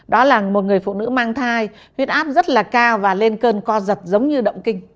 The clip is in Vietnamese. đó là một người phụ nữ mang thai huyết áp rất là cao và lên cơn co giật giống như động kinh